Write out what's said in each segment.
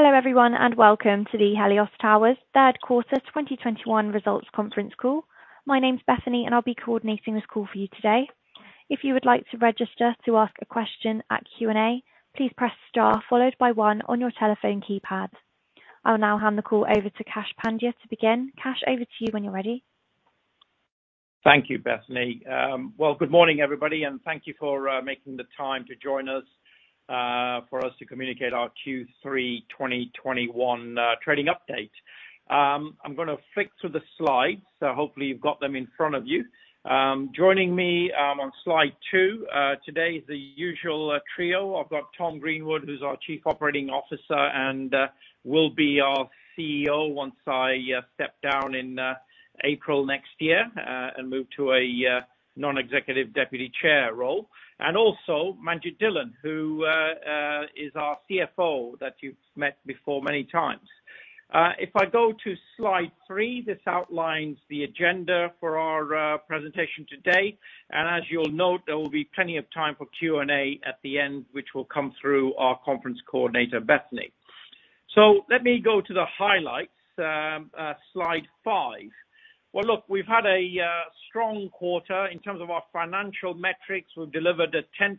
Hello everyone, and welcome to the Helios Towers Q3 2021 results Conference Call. My name's Bethany, and I'll be coordinating this call for you today. If you would like to register to ask a question at Q&A, please press star followed by one on your telephone keypad. I'll now hand the call over to Kash Pandya to begin. Kash, over to you when you're ready. Thank you, Bethany. Well, good morning, everybody, and thank you for making the time to join us for us to communicate our Q3 2021 trading update. I'm gonna flick through the slides, so hopefully you've got them in front of you. Joining me on slide 2 today, the usual trio. I've got Tom Greenwood, who's our Chief Operating Officer and will be our CEO once I step down in April next year and move to a non-executive deputy chair role. Also Manjit Dhillon, who is our CFO that you've met before many times. If I go to slide 3, this outlines the agenda for our presentation today. As you'll note, there will be plenty of time for Q&A at the end, which will come through our conference coordinator, Bethany. Let me go to the highlights, slide five. Well, look, we've had a strong quarter. In terms of our financial metrics, we've delivered a 10%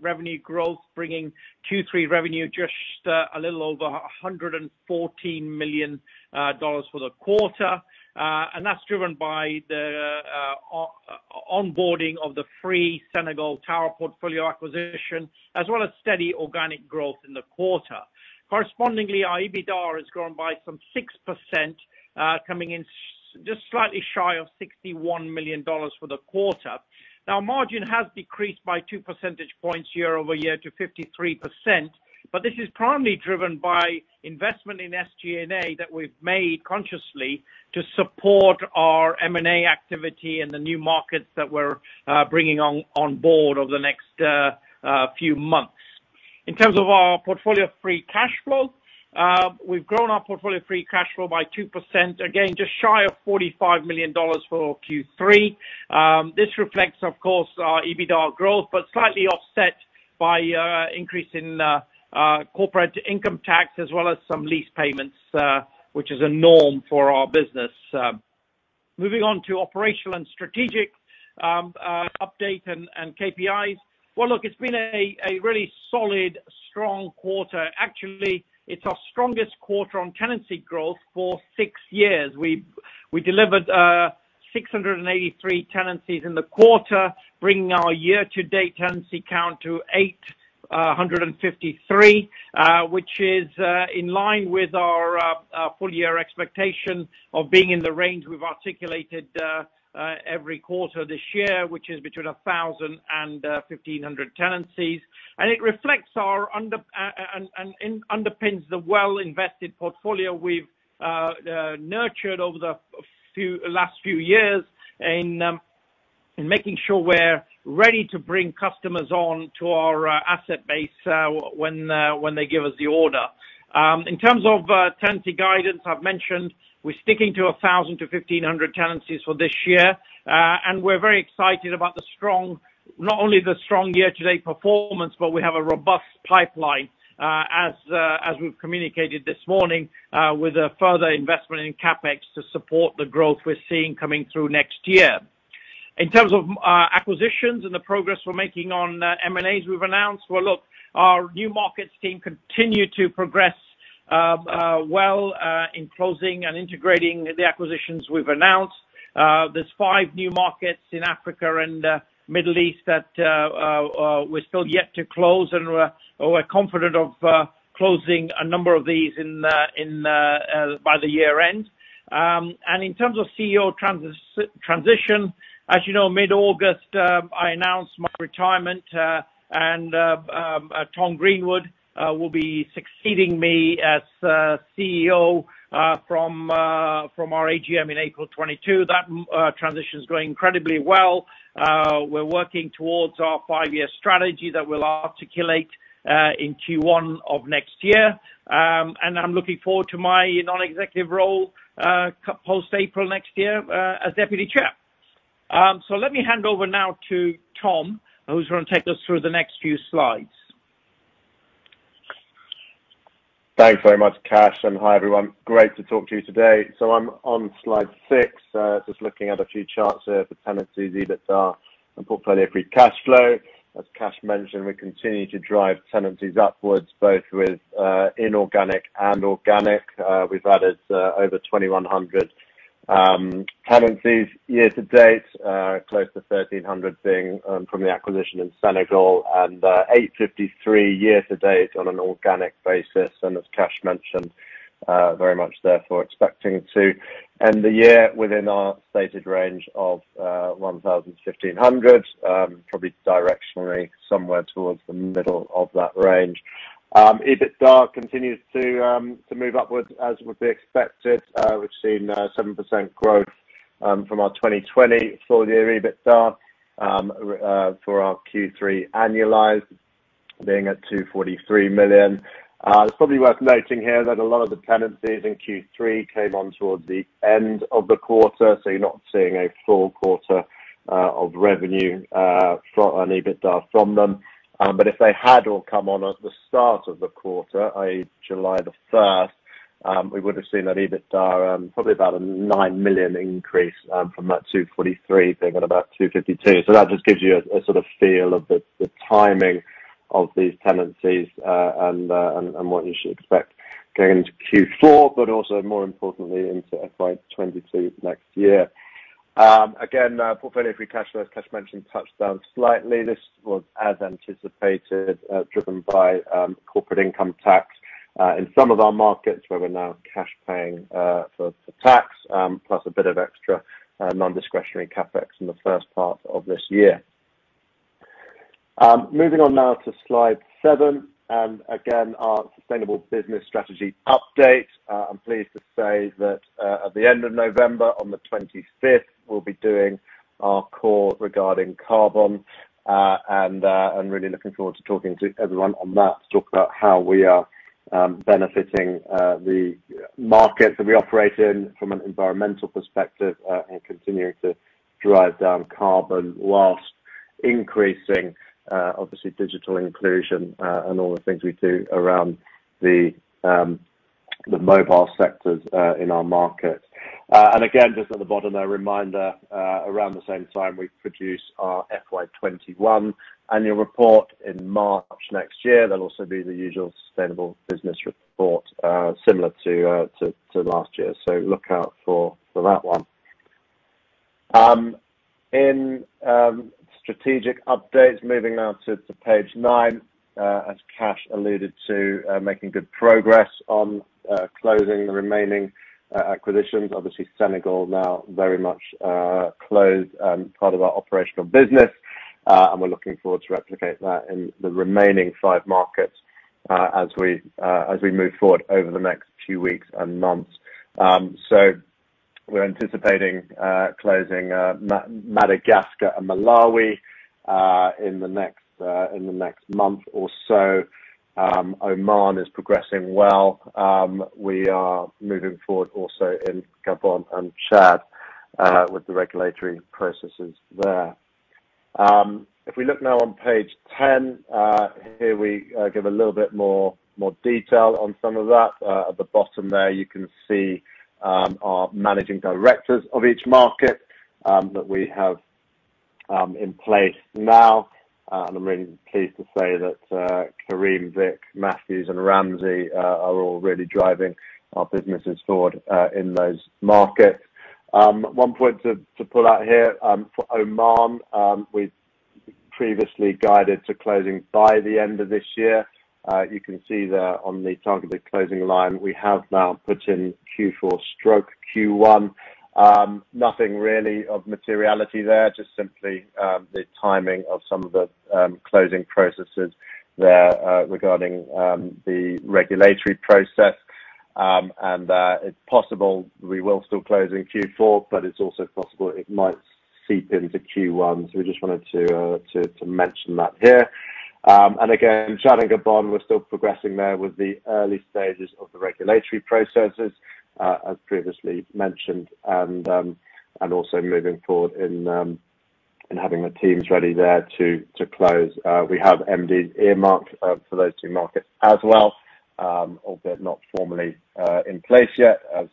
revenue growth, bringing Q3 revenue just a little over $114 million for the quarter. And that's driven by the onboarding of the Free Senegal Tower portfolio acquisition, as well as steady organic growth in the quarter. Correspondingly, our EBITDAR has grown by some 6%, coming in just slightly shy of $61 million for the quarter. Now, margin has decreased by 2 percentage points year-over-year to 53%, but this is primarily driven by investment in SG&A that we've made consciously to support our M&A activity in the new markets that we're bringing on board over the next few months. In terms of our portfolio of free cash flow, we've grown our portfolio of free cash flow by 2%, again, just shy of $45 million for Q3. This reflects, of course, our EBITDA growth, but slightly offset by increase in corporate income tax, as well as some lease payments, which is a norm for our business. Moving on to operational and strategic update and KPIs. Well, look, it's been a really solid, strong quarter. Actually, it's our strongest quarter on tenancy growth for six years. We delivered 683 tenancies in the quarter, bringing our year-to-date tenancy count to 853, which is in line with our full-year expectation of being in the range we've articulated every quarter this year, which is between 1000 and 1500 tenancies. It reflects and underpins the well-invested portfolio we've nurtured over the last few years in making sure we're ready to bring customers on to our asset base when they give us the order. In terms of tenancy guidance, I've mentioned we're sticking to 1,000-1,500 tenancies for this year, and we're very excited about the strong year-to-date performance, but we have a robust pipeline, as we've communicated this morning, with a further investment in CapEx to support the growth we're seeing coming through next year. In terms of acquisitions and the progress we're making on M&As we've announced, well, look, our new markets team continue to progress in closing and integrating the acquisitions we've announced. There's 5 new markets in Africa and Middle East that we're still yet to close, and we're confident of closing a number of these by the year-end. In terms of CEO transition, as you know, mid-August, I announced my retirement, and Tom Greenwood will be succeeding me as CEO from our AGM in April 2022. That transition is going incredibly well. We're working towards our five-year strategy that we'll articulate in Q1 of next year. I'm looking forward to my non-executive role post-April next year as deputy chair. Let me hand over now to Tom, who's gonna take us through the next few slides. Thanks very much, Kash, and hi, everyone. Great to talk to you today. I'm on slide 6, just looking at a few charts here for tenancies, EBITDAR, and portfolio free cash flow. As Kash mentioned, we continue to drive tenancies upwards, both with inorganic and organic. We've added over 2100 tenancies year to date, close to 1300 being from the acquisition in Senegal and 853 year to date on an organic basis. As Kash mentioned, very much therefore expecting to end the year within our stated range of 1000-1500, probably directionally somewhere towards the middle of that range. EBITDAR continues to move upwards as would be expected. We've seen 7% growth from our 2020 full-year EBITDAR for our Q3 annualized being at $243 million. It's probably worth noting here that a lot of the tenancies in Q3 came on towards the end of the quarter, so you're not seeing a full quarter of revenue and EBITDA from them. If they had all come on at the start of the quarter, i.e., July 1, we would've seen an EBITDA probably about a $9 million increase from that $243 figure to about $252. That just gives you a sort of feel of the timing of these tenancies and what you should expect going into Q4, but also more importantly into FY 2022 next year. Again, portfolio free cash flow, as Kash mentioned, touched down slightly. This was as anticipated, driven by corporate income tax in some of our markets where we're now cash paying for tax, plus a bit of extra non-discretionary CapEx in the first part of this year. Moving on now to Slide 7, again, our sustainable business strategy update. I'm pleased to say that at the end of November, on the 25th, we'll be doing our call regarding carbon, and really looking forward to talking to everyone on that, to talk about how we are benefiting the markets that we operate in from an environmental perspective, and continuing to drive down carbon while increasing, obviously digital inclusion, and all the things we do around the mobile sectors in our markets. Again, just at the bottom there, a reminder around the same time we produce our FY 2021 annual report in March next year. There'll also be the usual sustainable business report, similar to last year. So look out for that one. In strategic updates, moving now to page nine, as Kash alluded to, making good progress on closing the remaining acquisitions. Obviously Senegal now very much closed and part of our operational business, and we're looking forward to replicate that in the remaining five markets as we move forward over the next few weeks and months. We're anticipating closing Madagascar and Malawi in the next month or so. Oman is progressing well. We are moving forward also in Gabon and Chad with the regulatory processes there. If we look now on page 10, here we give a little bit more detail on some of that. At the bottom there, you can see our managing directors of each market that we have in place now. I'm really pleased to say that Karim, Vic, Matthews and Ramsey are all really driving our businesses forward in those markets. One point to pull out here for Oman, we've previously guided to closing by the end of this year. You can see there on the targeted closing line, we have now put in Q4/Q1. Nothing really of materiality there, just simply the timing of some of the closing processes there regarding the regulatory process. It's possible we will still close in Q4, but it's also possible it might seep into Q1. We just wanted to mention that here. Chad and Gabon, we're still progressing there with the early stages of the regulatory processes, as previously mentioned, and also moving forward in having the teams ready there to close. We have MDs earmarked for those two markets as well, albeit not formally in place yet as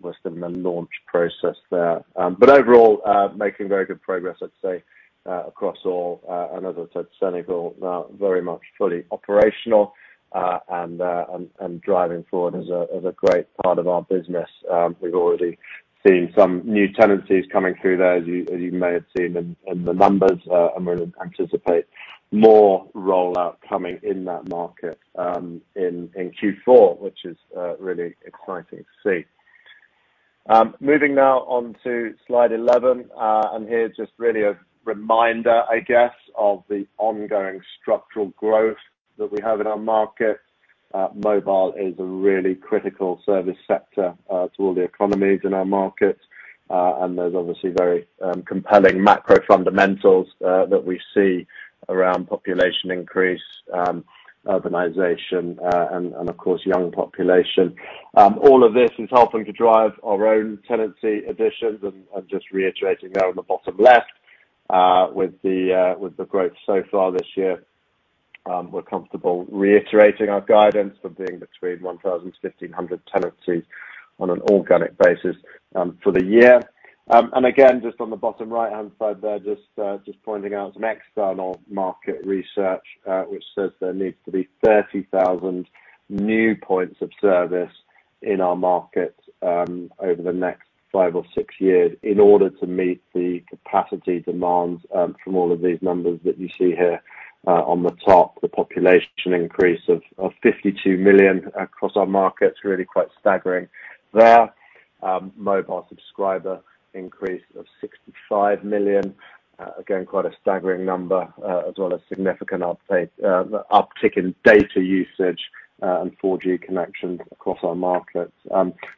we're still in the launch process there. Overall, making very good progress, I'd say, across all, and as I said, Senegal now very much fully operational, and driving forward as a great part of our business. We've already seen some new tenancies coming through there, as you may have seen in the numbers, and we anticipate more rollout coming in that market, in Q4, which is really exciting to see. Moving now on to slide 11. Here, just really a reminder, I guess, of the ongoing structural growth that we have in our markets. Mobile is a really critical service sector to all the economies in our markets, and there's obviously very compelling macro fundamentals that we see around population increase, urbanization, and of course, young population. All of this is helping to drive our own tenancy additions, and just reiterating there on the bottom left, with the growth so far this year, we're comfortable reiterating our guidance for being between 1,000 and 1,500 tenancies on an organic basis, for the year. Again, just on the bottom right-hand side there, just pointing out some external market research, which says there needs to be 30,000 new points of service in our markets, over the next five or six years in order to meet the capacity demands, from all of these numbers that you see here, on the top. The population increase of 52 million across our markets, really quite staggering there. Mobile subscriber increase of 65 million, again, quite a staggering number, as well as significant uptick in data usage, and 4G connections across our markets.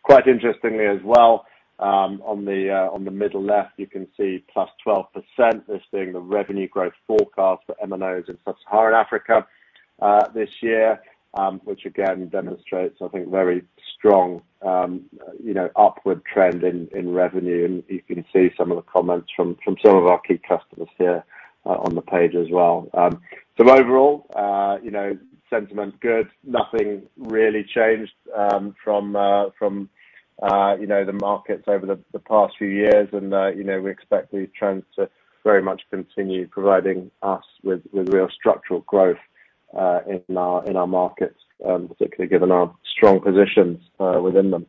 Quite interestingly as well, on the middle left, you can see +12%, this being the revenue growth forecast for MNOs in Sub-Saharan Africa. This year, which again demonstrates, I think, very strong, you know, upward trend in revenue, and you can see some of the comments from some of our key customers here, on the page as well. Overall, you know, sentiment's good. Nothing really changed from you know the markets over the past few years, and you know we expect these trends to very much continue providing us with real structural growth in our markets, particularly given our strong positions within them.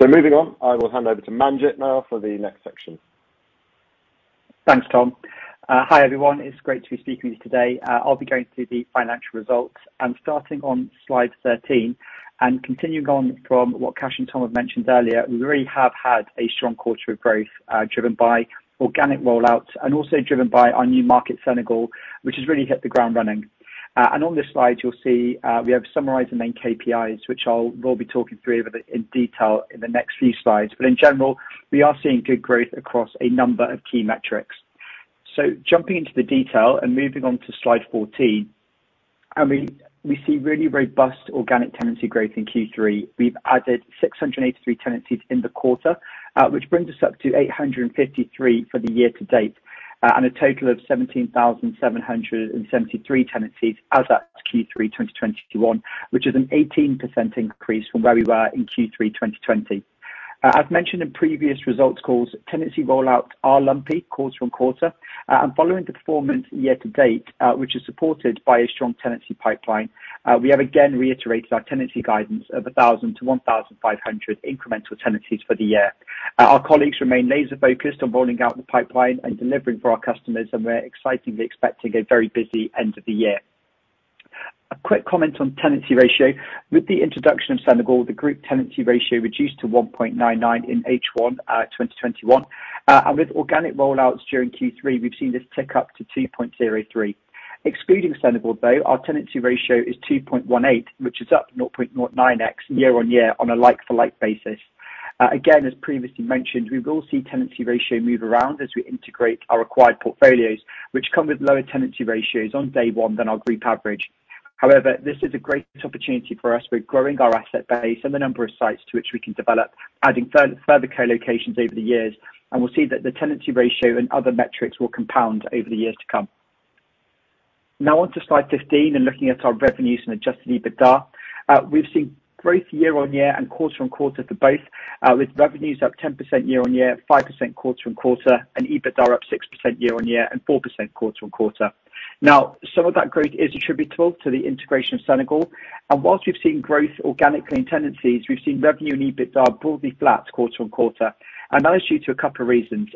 Moving on, I will hand over to Manjit now for the next section. Thanks, Tom. Hi, everyone. It's great to be speaking with you today. I'll be going through the financial results and starting on slide 13 and continuing on from what Kash and Tom have mentioned earlier, we really have had a strong quarter of growth, driven by organic rollouts and also driven by our new market Senegal, which has really hit the ground running. On this slide, you'll see, we have summarized the main KPIs, which we'll be talking through a bit in detail in the next few slides. But in general, we are seeing good growth across a number of key metrics. Jumping into the detail and moving on to slide 14, I mean, we see really robust organic tenancy growth in Q3. We've added 683 tenancies in the quarter, which brings us up to 853 for the year to date, and a total of 17,773 tenancies as at Q3 2021, which is an 18% increase from where we were in Q3 2020. As mentioned in previous results calls, tenancy rollout are lumpy, quarter from quarter, and following the performance year to date, which is supported by a strong tenancy pipeline, we have again reiterated our tenancy guidance of 1,000-1,500 incremental tenancies for the year. Our colleagues remain laser focused on rolling out the pipeline and delivering for our customers, and we're excitedly expecting a very busy end of the year. A quick comment on tenancy ratio. With the introduction of Senegal, the group tenancy ratio reduced to 1.99 in H1 2021. With organic rollouts during Q3, we've seen this tick up to 2.03. Excluding Senegal, though, our tenancy ratio is 2.18, which is up 0.09x year-on-year on a like-for-like basis. Again, as previously mentioned, we will see tenancy ratio move around as we integrate our acquired portfolios, which come with lower tenancy ratios on day one than our group average. However, this is a great opportunity for us. We're growing our asset base and the number of sites to which we can develop, adding further co-locations over the years, and we'll see that the tenancy ratio and other metrics will compound over the years to come. Now on to slide 15 and looking at our revenues and adjusted EBITDA. We've seen growth year-on-year and quarter-on-quarter for both, with revenues up 10% year-on-year, 5% quarter-on-quarter, and EBITDA up 6% year-on-year and 4% quarter-on-quarter. Now, some of that growth is attributable to the integration of Senegal. While we've seen growth organically in tenancies, we've seen revenue and EBITDA broadly flat quarter-on-quarter. That is due to a couple of reasons.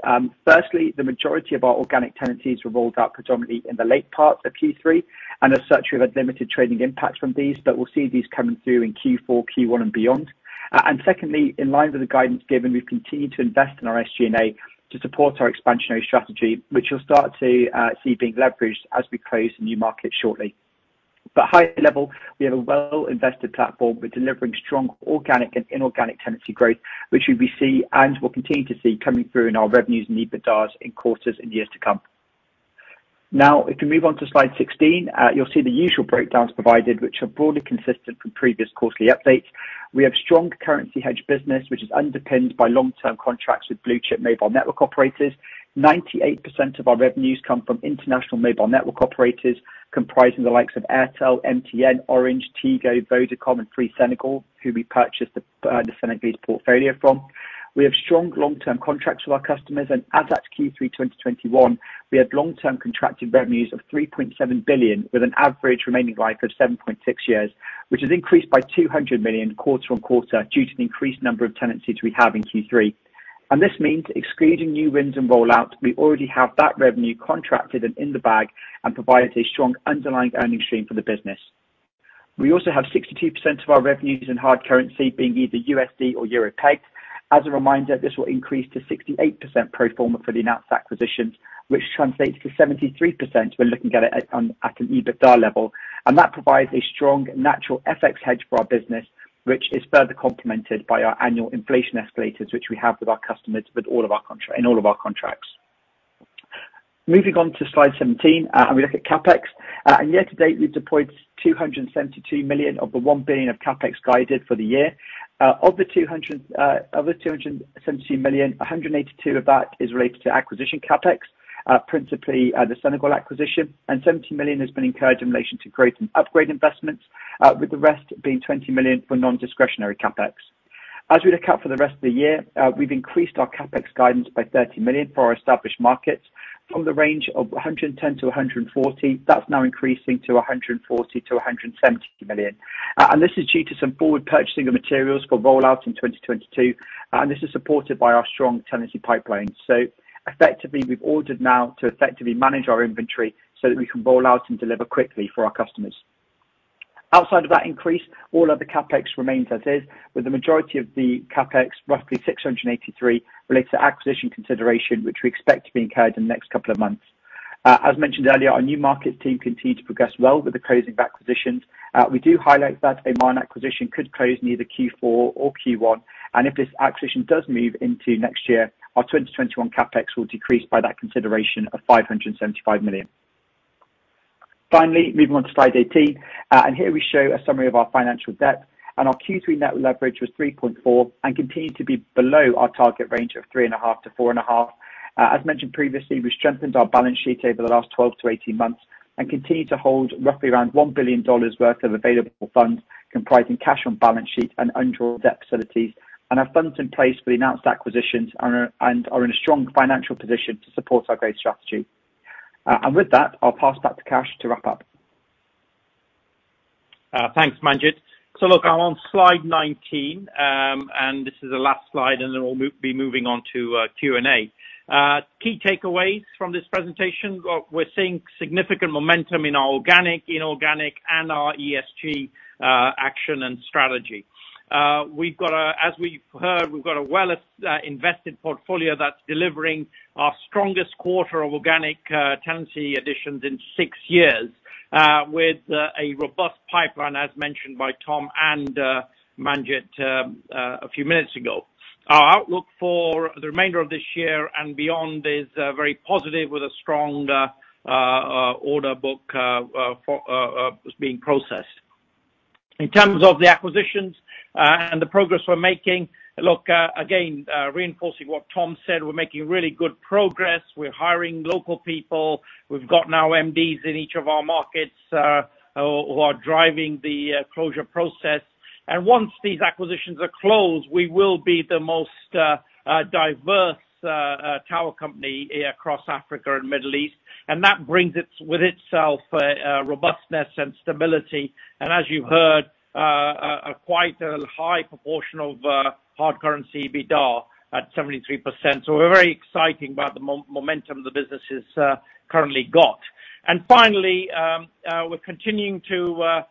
Firstly, the majority of our organic tenancies were rolled out predominantly in the late part of Q3, and as such, we have had limited trading impact from these, but we'll see these coming through in Q4, Q1, and beyond. Secondly, in line with the guidance given, we've continued to invest in our SG&A to support our expansionary strategy, which you'll start to see being leveraged as we close the new market shortly. High-level, we have a well-invested platform. We're delivering strong organic and inorganic tenancy growth, which we see and will continue to see coming through in our revenues and EBITDA in quarters and years to come. Now, if we move on to slide 16, you'll see the usual breakdowns provided, which are broadly consistent from previous quarterly updates. We have strong currency hedge business, which is underpinned by long-term contracts with blue-chip mobile network operators. 98% of our revenues come from international mobile network operators comprising the likes of Airtel, MTN, Orange, Tigo, Vodacom, and Free Senegal, who we purchased the Senegal's portfolio from. We have strong long-term contracts with our customers, and as at Q3 2021, we had long-term contracted revenues of $3.7 billion, with an average remaining life of 7.6 years, which has increased by $200 million quarter-over-quarter due to the increased number of tenancies we have in Q3. This means excluding new wins and rollouts, we already have that revenue contracted and in the bag and provides a strong underlying earning stream for the business. We also have 62% of our revenues in hard currency being either USD or EUR pegged. As a reminder, this will increase to 68% pro forma for the announced acquisitions, which translates to 73% when looking at it at an EBITDA level. That provides a strong natural FX hedge for our business, which is further complemented by our annual inflation escalators, which we have with our customers in all of our contracts. Moving on to slide 17, we look at CapEx. Year to date, we've deployed $272 million of the $1 billion of CapEx guided for the year. Of the $272 million, $182 million of that is related to acquisition CapEx, principally the Senegal acquisition, and $70 million has been incurred in relation to growth and upgrade investments, with the rest being $20 million for non-discretionary CapEx. As we look out for the rest of the year, we've increased our CapEx guidance by $30 million for our established markets from the range of $110 million-$140 million, that's now increasing to $140 million-$170 million. This is due to some forward purchasing of materials for rollouts in 2022, and this is supported by our strong tenancy pipeline. Effectively, we've ordered now to effectively manage our inventory so that we can roll out and deliver quickly for our customers. Outside of that increase, all other CapEx remains as is, with the majority of the CapEx, roughly $683 million, related to acquisition consideration, which we expect to be incurred in the next couple of months. As mentioned earlier, our new market team continue to progress well with the closing of acquisitions. We do highlight that a minor acquisition could close in either Q4 or Q1, and if this acquisition does move into next year, our 2021 CapEx will decrease by that consideration of $575 million. Finally, moving on to slide 18. Here we show a summary of our financial debt and our Q3 net leverage was 3.4 and continued to be below our target range of 3.5-4.5. As mentioned previously, we strengthened our balance sheet over the last 12-18 months and continue to hold roughly around $1 billion worth of available funds, comprising cash on balance sheet and undrawn debt facilities. Have funds in place for the announced acquisitions and are in a strong financial position to support our growth strategy. With that, I'll pass back to Kash to wrap up. Thanks, Manjit. Look, I'm on slide 19, and this is the last slide, and then we'll be moving on to Q&A. Key takeaways from this presentation. We're seeing significant momentum in our organic, inorganic and our ESG action and strategy. We've got, as we've heard, a well-invested portfolio that's delivering our strongest quarter of organic tenancy additions in six years, with a robust pipeline, as mentioned by Tom and Manjit, a few minutes ago. Our outlook for the remainder of this year and beyond is very positive with a strong order book that's being processed in terms of the acquisitions and the progress we're making. Look, again, reinforcing what Tom said, we're making really good progress. We're hiring local people. We've got now MDs in each of our markets, who are driving the closure process. Once these acquisitions are closed, we will be the most diverse tower company across Africa and Middle East. That brings with itself robustness and stability. As you heard, a quite high proportion of hard currency EBITDA at 73%. We're very excited about the momentum the business has currently got. Finally, we're continuing to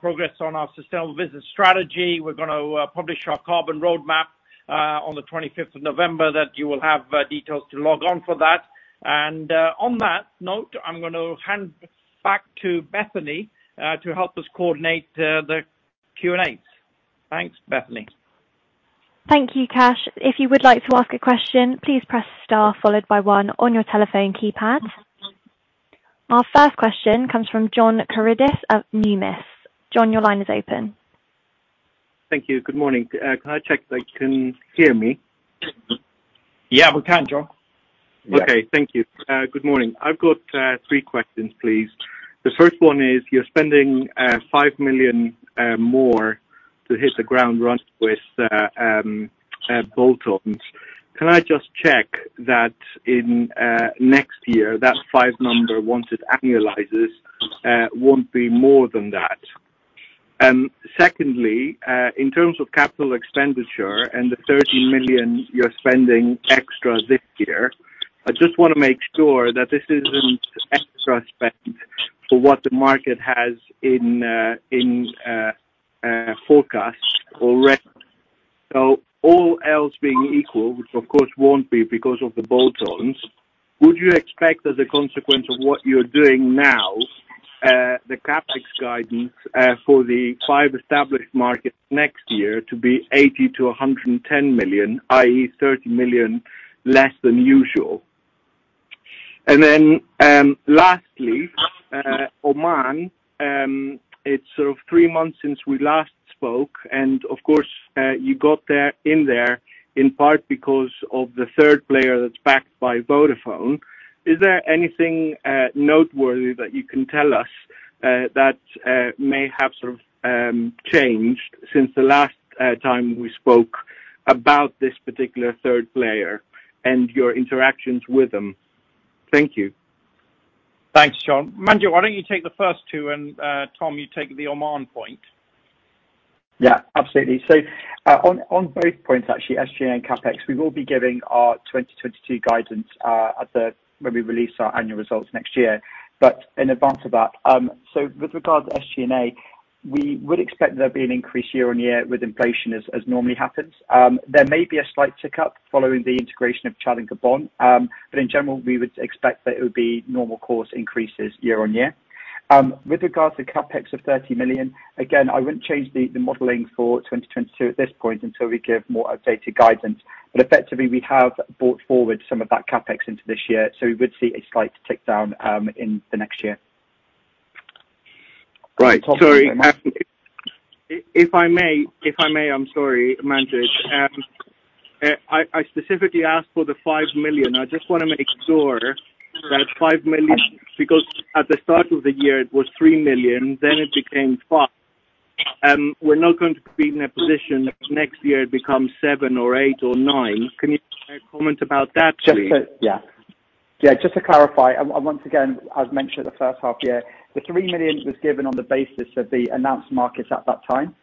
progress on our sustainable business strategy. We're gonna publish our carbon roadmap on the twenty-fifth of November, that you will have details to log on for that. On that note, I'm gonna hand back to Bethany to help us coordinate the Q&A. Thanks, Bethany. Thank you, Kash. If you would like to ask a question, please press star followed by one on your telephone keypad. Our first question comes from John Karidis of Numis. John, your line is open. Thank you. Good morning. Can I check that you can hear me? Yeah, we can, John. Okay, thank you. Good morning. I've got three questions, please. The first one is you're spending $5 million more to hit the ground running with bolt-ons. Can I just check that in next year, that five number, once it annualizes, won't be more than that? Secondly, in terms of capital expenditure and the $30 million you're spending extra this year, I just wanna make sure that this isn't extra spend for what the market has in forecast already. All else being equal, which of course won't be, because of the bolt-ons, would you expect as a consequence of what you're doing now, the CapEx guidance for the five established markets next year to be $80 million-$110 million, i.e., $30 million less than usual? Lastly, Oman, it's sort of three months since we last spoke, and of course, you got in there, in part because of the third player that's backed by Vodafone. Is there anything noteworthy that you can tell us that may have sort of changed since the last time we spoke about this particular third player and your interactions with them? Thank you. Thanks, John. Manjit, why don't you take the first two and Tom, you take the Oman point. Yeah, absolutely. On both points actually, SG&A and CapEx, we will be giving our 2022 guidance when we release our annual results next year. In advance of that, with regards to SG&A, we would expect there'll be an increase year-over-year with inflation as normally happens. There may be a slight tick-up following the integration of Chad and Gabon, but in general, we would expect that it would be normal course increases year-over-year. With regards to CapEx of $30 million, again, I wouldn't change the modeling for 2022 at this point until we give more updated guidance. Effectively, we have brought forward some of that CapEx into this year, so we would see a slight tick down in the next year. Right. Sorry. If I may, I'm sorry, Manjit. I specifically asked for the $5 million. I just wanna make sure that $5 million, because at the start of the year it was $3 million, then it became $5 million. We're not going to be in a position if next year it becomes $7 million or $8 million or $9 million. Can you comment about that, please? Just to clarify, and once again, as mentioned at the first half-year, the $3 million was given on the basis of the announced markets at that time.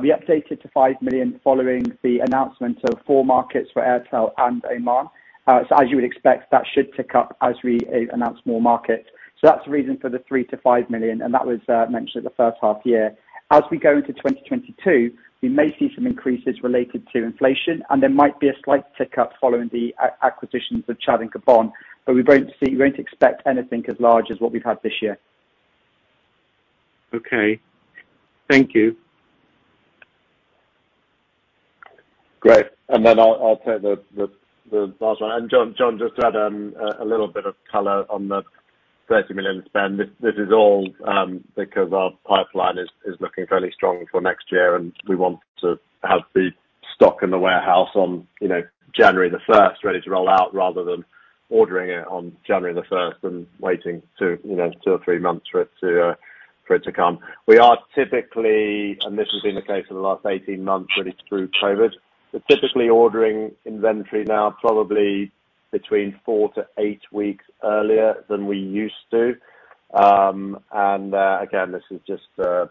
We updated to $5 million following the announcement of 4 markets for Airtel and Oman. As you would expect, that should tick up as we announce more markets. That's the reason for the $3 million-$5 million, and that was mentioned at the first half-year. As we go into 2022, we may see some increases related to inflation, and there might be a slight tick up following the acquisitions of Chad and Gabon, but we don't expect anything as large as what we've had this year. Okay. Thank you. Great. I'll take the last one. John, just to add a little bit of color on the $30 million spend. This is all because our pipeline is looking fairly strong for next year, and we want to have the stock in the warehouse on, you know, January 1 ready to roll out rather than ordering it on January 1 and waiting 2 or 3 months for it to come. We are typically, and this has been the case for the last 18 months really through COVID, we're typically ordering inventory now probably between 4-8 weeks earlier than we used to. Again, this is just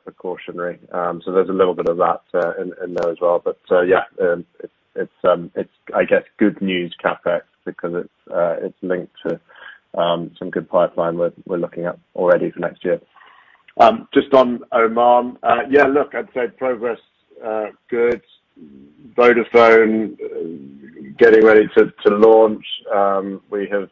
precautionary. So there's a little bit of that in there as well. It's I guess good news CapEx because it's linked to some good pipeline we're looking at already for next year. Just on Oman. Yeah, look, I'd say progress good. Vodafone getting ready to launch. We have,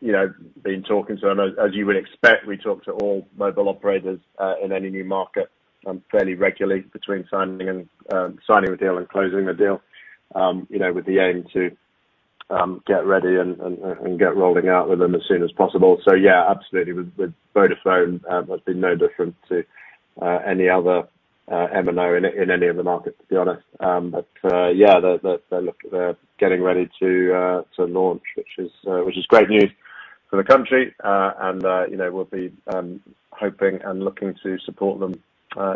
you know, been talking to, and as you would expect, we talk to all mobile operators in any new market fairly regularly between signing a deal and closing a deal. You know, with the aim to get ready and get rolling out with them as soon as possible. Yeah, absolutely. With Vodafone, that's been no different to any other MNO in any of the markets, to be honest. Yeah, they're getting ready to launch, which is great news for the country. You know, we'll be hoping and looking to support them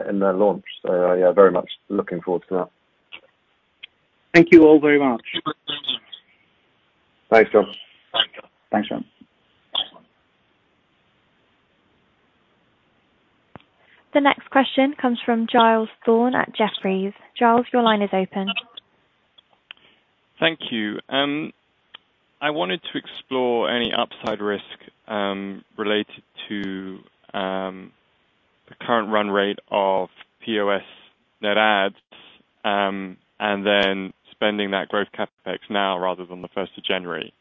in their launch. Yeah, very much looking forward to that. Thank you all very much. Thanks, John. Thanks, John. Thanks, John. The next question comes from Giles Thorne at Jefferies. Giles, your line is open. Thank you. I wanted to explore any upside risk related to the current run rate of POS net adds and then spending that growth CapEx now rather than the first of January.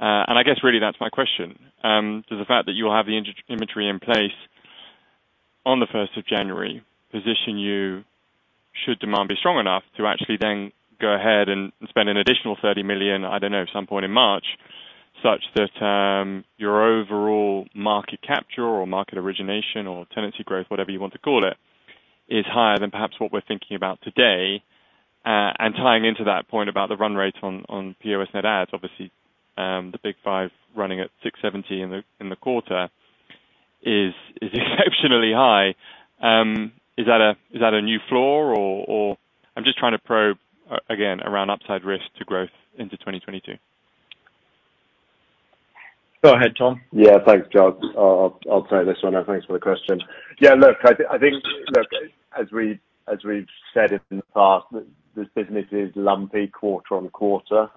I guess really that's my question. Does the fact that you will have the inventory in place on the first of January position you, should demand be strong enough to actually then go ahead and spend an additional $30 million, I don't know, at some point in March, such that your overall market capture or market penetration or tenancy growth, whatever you want to call it, is higher than perhaps what we're thinking about today. Tying into that point about the run rate on POS net adds obviously, the big five running at 670 in the quarter is exceptionally high. Is that a new floor or. I'm just trying to probe again around upside risk to growth into 2022. Go ahead, Tom. Yeah. Thanks, Giles. I'll take this one. Thanks for the question. Yeah, look, I think, look, as we've said in the past, this business is lumpy quarter on quarter.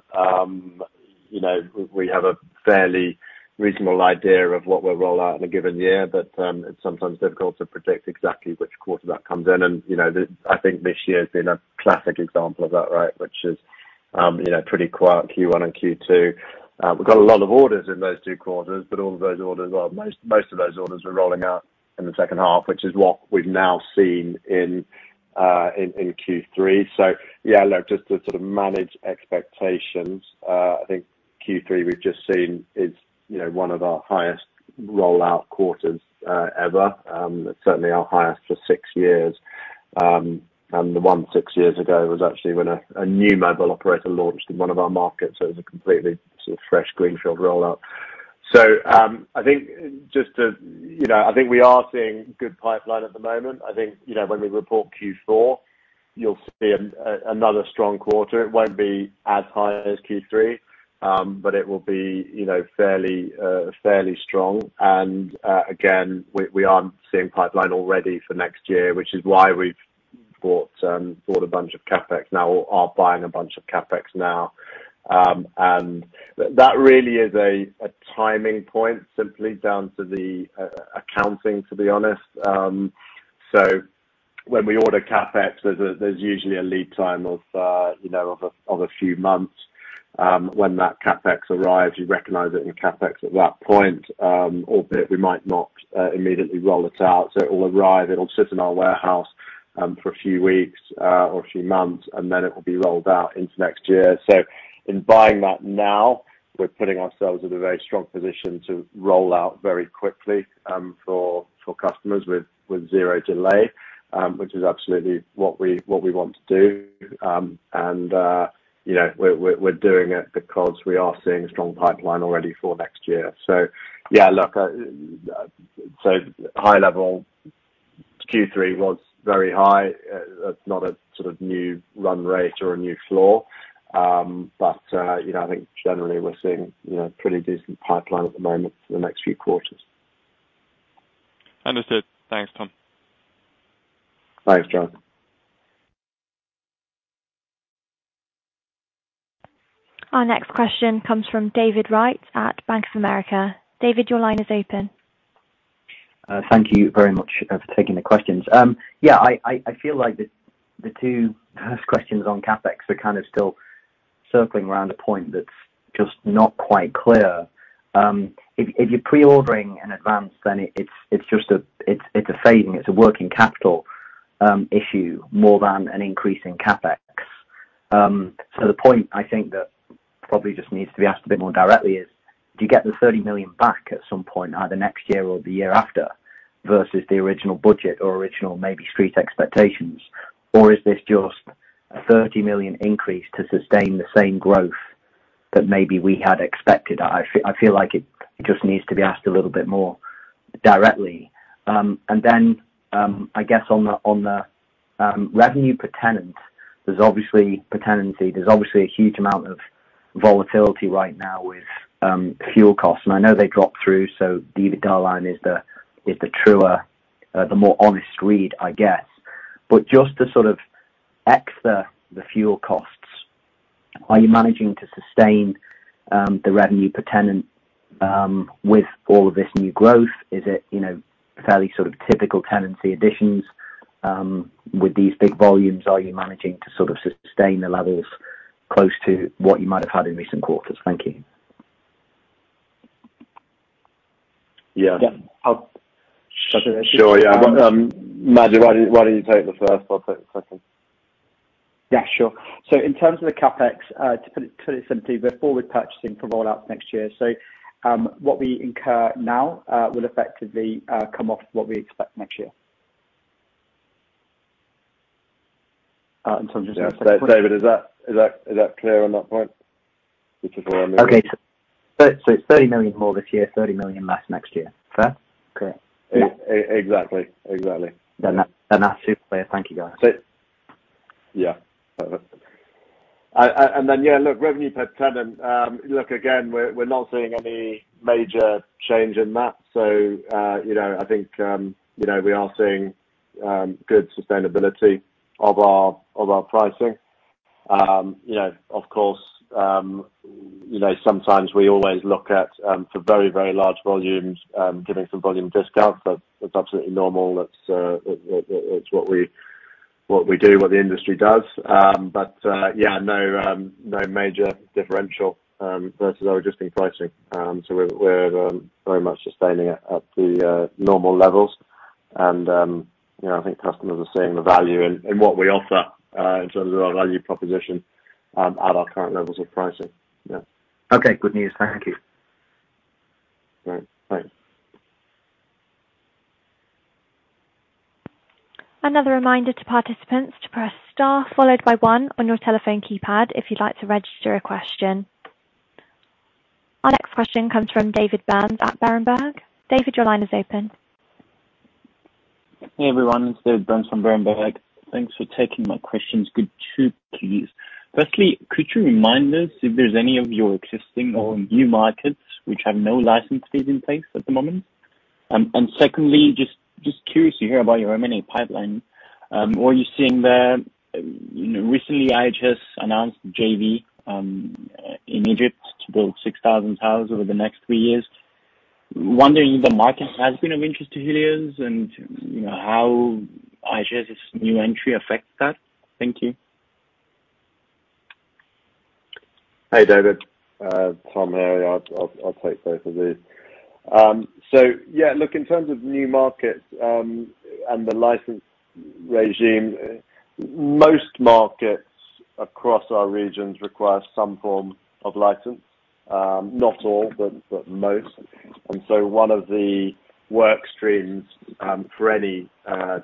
You know, we have a fairly reasonable idea of what we'll roll out in a given year, but it's sometimes difficult to predict exactly which quarter that comes in. You know, I think this year's been a classic example of that, right? Which is, you know, pretty quiet Q1 and Q2. We've got a lot of orders in those two quarters, but most of those orders are rolling out in the second half, which is what we've now seen in Q3. Yeah, look, just to sort of manage expectations, I think Q3 we've just seen is, you know, one of our highest rollout quarters, ever. It's certainly our highest for six years. The one six years ago was actually when a new mobile operator launched in one of our markets, so it was a completely sort of fresh greenfield rollout. You know, I think we are seeing good pipeline at the moment. I think, you know, when we report Q4, you'll see another strong quarter. It won't be as high as Q3, but it will be, you know, fairly strong. again, we are seeing pipeline already for next year, which is why we've bought a bunch of CapEx now or are buying a bunch of CapEx now. That really is a timing point, simply down to the accounting, to be honest. When we order CapEx, there's usually a lead time of a few months. When that CapEx arrives, you recognize it in CapEx at that point, albeit we might not immediately roll it out. It will arrive, it'll sit in our warehouse for a few weeks or a few months, and then it will be rolled out into next year. In buying that now, we're putting ourselves in a very strong position to roll out very quickly for customers with zero delay, which is absolutely what we want to do. You know, we're doing it because we are seeing a strong pipeline already for next year. Yeah, look, so high-level Q3 was very high. That's not a sort of new run rate or a new floor. You know, I think generally we're seeing you know, pretty decent pipeline at the moment for the next few quarters. Understood. Thanks, Tom. Thanks, Giles. Our next question comes from David Wright at Bank of America. David, your line is open. Thank you very much for taking the questions. I feel like the first two questions on CapEx were kind of still circling around a point that's just not quite clear. If you're pre-ordering in advance, then it's just a funding. It's a working capital issue more than an increase in CapEx. The point that probably just needs to be asked a bit more directly is, do you get the $30 million back at some point, either next year or the year after, versus the original budget or original maybe street expectations? Or is this just a $30 million increase to sustain the same growth that maybe we had expected? I feel like it just needs to be asked a little bit more directly. I guess on the revenue per tenant, there's obviously per tenancy a huge amount of volatility right now with fuel costs. I know they drop through, so the guideline is the truer, the more honest read, I guess. Just to sort of ex the fuel costs, are you managing to sustain the revenue per tenant with all of this new growth? Is it, you know, fairly sort of typical tenancy additions with these big volumes? Are you managing to sort of sustain the levels close to what you might have had in recent quarters? Thank you. Yeah. Yeah. Sure. Yeah. Manjit, why don't you take the first, I'll take the second. Yeah, sure. In terms of the CapEx, to put it simply, we're forward purchasing for roll out next year. What we incur now will effectively come off what we expect next year. I'm just gonna- Yeah. David, is that clear on that point? Which is where I'm- Okay. It's $30 million more this year, $30 million less next year. Fair? Correct. Exactly. That's super clear. Thank you, guys. Yeah, look, revenue per tenant. Look again, we're not seeing any major change in that. You know, I think, you know, we are seeing good sustainability of our pricing. You know, of course, you know, sometimes we always look at for very large volumes giving some volume discounts. That's absolutely normal. That's it's what we do, what the industry does. No major differential versus our existing pricing. We're very much sustaining it at the normal levels. You know, I think customers are seeing the value in what we offer in terms of our value proposition at our current levels of pricing. Okay. Good news. Thank you. Great. Thanks. Another reminder to participants to press star followed by one on your telephone keypad if you'd like to register a question. Our next question comes from David Burns at Berenberg. David, your line is open. Hey, everyone. It's David Burns from Berenberg. Thanks for taking my questions. Q2, please. Firstly, could you remind us if there's any of your existing or new markets which have no license fees in place at the moment? Secondly, just curious to hear about your M&A pipeline. What are you seeing there? Recently IHS announced JV in Egypt to build 6,000 towers over the next 3 years. Wondering if the market has been of interest to Helios, and how IHS' new entry affects that. Thank you. Hey, David. Tom here. I'll take both of these. Yeah, look, in terms of new markets and the license regime, most markets across our regions require some form of license. Not all, but most. One of the work streams for any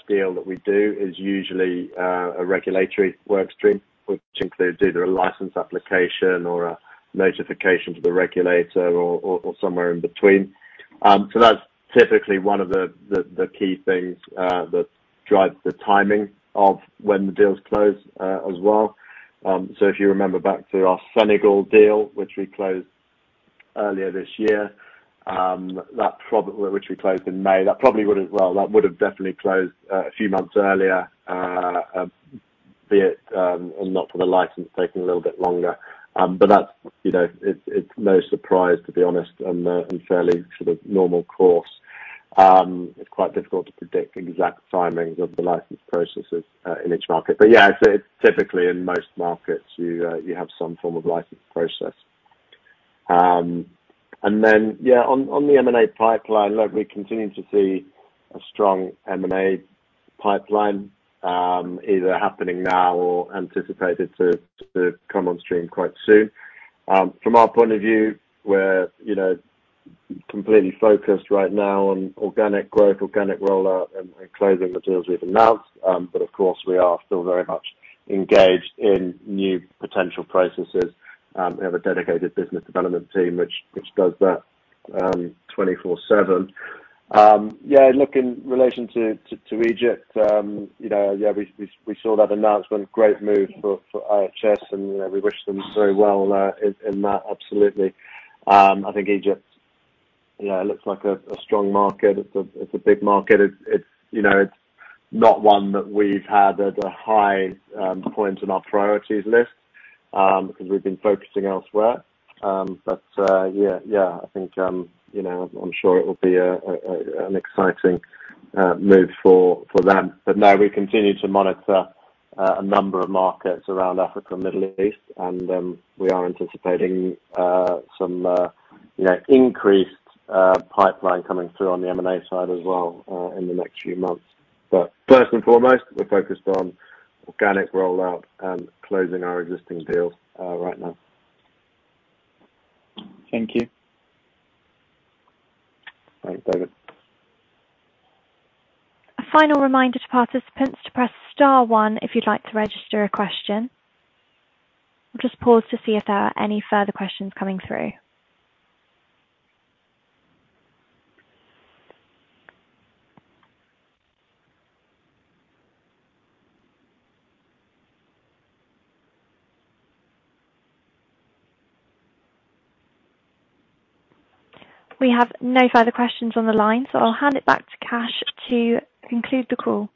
deal that we do is usually a regulatory work stream, which includes either a license application or a notification to the regulator or somewhere in between. That's typically one of the key things that drives the timing of when the deals close, as well. If you remember back to our Senegal deal, which we closed earlier this year, which we closed in May, that probably would have... Well, that would have definitely closed a few months earlier, and not for the license taking a little bit longer. That's, you know, it's no surprise, to be honest, and fairly sort of normal course. It's quite difficult to predict the exact timings of the license processes in each market. It's typically in most markets, you have some form of license process. On the M&A pipeline, look, we continue to see a strong M&A pipeline, either happening now or anticipated to come on stream quite soon. From our point of view, we're, you know, completely focused right now on organic growth, organic rollout and closing the deals we've announced. Of course, we are still very much engaged in new potential processes. We have a dedicated business development team which does that 24/7. Yeah, look, in relation to Egypt, you know, yeah, we saw that announcement, great move for IHS and, you know, we wish them very well in that, absolutely. I think Egypt, you know, looks like a strong market. It's a big market. It's you know it's not one that we've had at a high point on our priorities list because we've been focusing elsewhere. Yeah. Yeah, I think, you know, I'm sure it will be an exciting move for them. No, we continue to monitor a number of markets around Africa and Middle East. We are anticipating some increased pipeline coming through on the M&A side as well in the next few months. First and foremost, we're focused on organic rollout and closing our existing deals right now. Thank you. Thanks, David. A final reminder to participants to press star one if you'd like to register a question. I'll just pause to see if there are any further questions coming through. We have no further questions on the line, so I'll hand it back to Kash to conclude the call.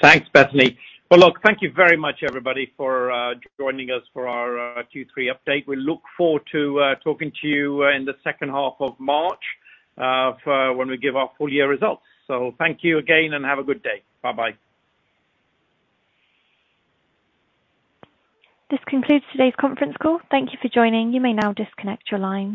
Thanks, Bethany. Well, look, thank you very much, everybody, for joining us for our Q3 update. We look forward to talking to you in the second half of March for when we give our full-year results. Thank you again and have a good day. Bye-bye. This concludes today's Conference Call. Thank you for joining. You may now disconnect your line.